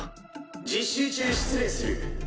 実習中失礼する。